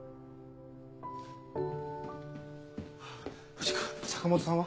藤君坂本さんは？